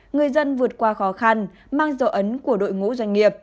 người dân vượt qua khó khăn mang dấu ấn của đội ngũ doanh nghiệp